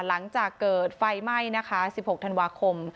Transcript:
หลังจากเกิดไฟไหม้นะคะ๑๖ธันวาคม